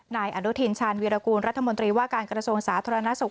นายอนุทินชาญวีรกูลรัฐมนตรีว่าการกระทรวงสาธารณสุข